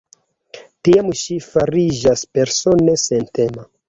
Tiam ŝi fariĝas persone sentema.